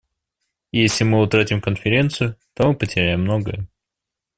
И если мы утратим Конференцию, то мы потеряем многое.